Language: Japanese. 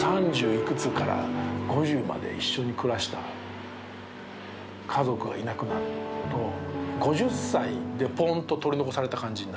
いくつから５０まで一緒に暮らした家族がいなくなると５０歳でポンと取り残された感じになります。